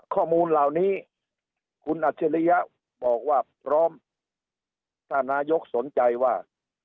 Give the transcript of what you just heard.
ข้อมูลเหล่านี้คุณอัจฉริยะบอกว่าพร้อมถ้านายกสนใจว่า